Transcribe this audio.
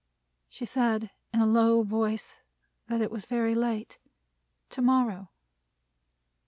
She said, in a low voice, that it was very late. To morrow.